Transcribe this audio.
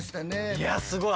いやすごい。